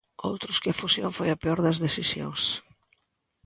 Outros que a fusión foi a peor das decisións.